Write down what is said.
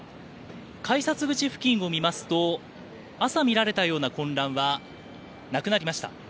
改札口付近を見ますと朝見られたような混乱はなくなりました。